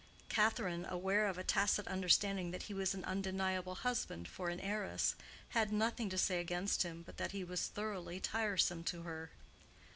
Catherine, aware of a tacit understanding that he was an undeniable husband for an heiress, had nothing to say against him but that he was thoroughly tiresome to her.